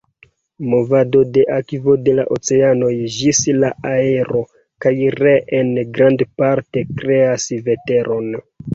Movado de akvo de la oceanoj ĝis la aero kaj reen grandparte kreas veteron.